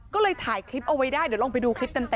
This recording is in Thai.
ก็เลยถ่ายคลิปเอาไว้ได้เดี๋ยวลองไปดูคลิปเต็ม